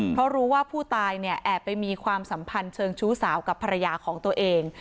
เพราะรู้ว่าผู้ตายเนี่ยแอบไปมีความสัมพันธ์เชิงชู้สาวกับภรรยาของตัวเอง